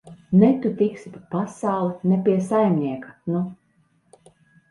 Ne tu tiksi pa pasauli, ne pie saimnieka, nu!